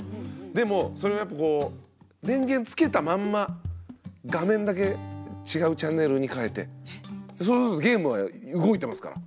でもそれをやっぱこう電源つけたまんま画面だけ違うチャンネルに変えてそれこそゲームは動いてますから。